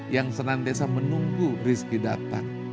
yang senantiasa menunggu rizki datang